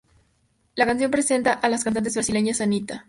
La canción presenta a las cantantes brasileñas Anitta.